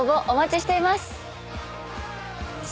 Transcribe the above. お待ちしています。